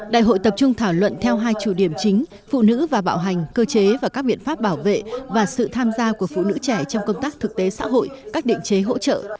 đại hội tập trung thảo luận theo hai chủ điểm chính phụ nữ và bạo hành cơ chế và các biện pháp bảo vệ và sự tham gia của phụ nữ trẻ trong công tác thực tế xã hội các định chế hỗ trợ